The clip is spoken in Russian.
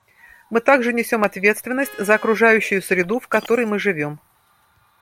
Мы также несем ответственность за окружающую среду, в которой мы живем.